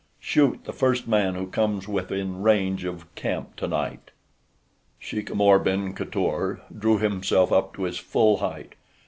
Shoot the first man who comes within range of camp tonight." Sheik Amor ben Khatour drew himself up to his full height.